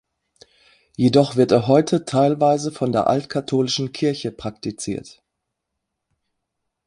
Jedoch wird er heute teilweise von der Altkatholischen Kirche praktiziert.